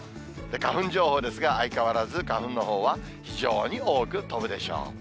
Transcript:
花粉情報ですが、相変わらず花粉のほうは非常に多く飛ぶでしょう。